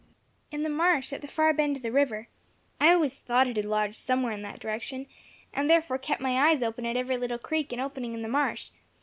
"In the marsh, at the far bend of the river. I always thought it had lodged somewhere in that direction, and therefore kept my eyes open at every little creek and opening in the marsh.